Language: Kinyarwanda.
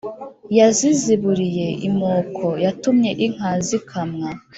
yaziziburiye imoko: yatumye inka zikamwa